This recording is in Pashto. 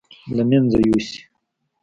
له مېنځه يوسي.